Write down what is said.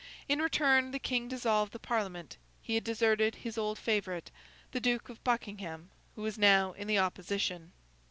In return, the King dissolved the Parliament. He had deserted his old favourite, the Duke of Buckingham, who was now in the opposition.